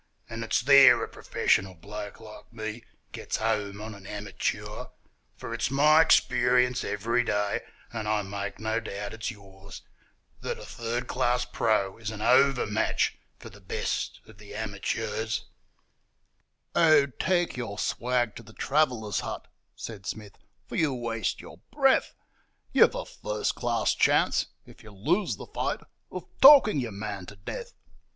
And it's there a professional bloke like me gets home on an amateur: For it's my experience every day, and I make no doubt it's yours, That a third class pro is an over match for the best of the amateurs ' 'Oh, take your swag to the travellers' hut,' said Smith, 'for you waste your breath; You've a first class chance, if you lose the fight, of talking your man to death.